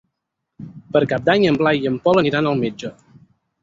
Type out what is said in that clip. Per Cap d'Any en Blai i en Pol aniran al metge.